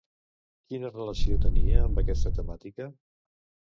Quina relació tenia amb aquesta temàtica?